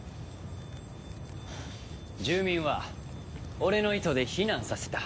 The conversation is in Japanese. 住民は俺の糸で避難させた。